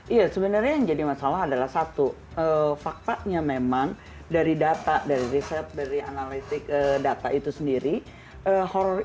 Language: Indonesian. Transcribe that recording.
iya sebenarnya yang jadi masalah adalah film horror itu adalah film horror yang terkenal di dalam film horror ini